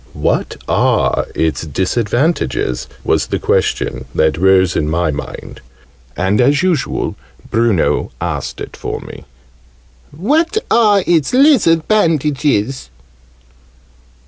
"What are its disadvantages?" was the question that rose in my mind and, as usual, Bruno asked it for me. "What are its lizard bandages?'